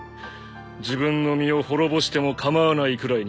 自分の身を滅ぼしても構わないくらいにな。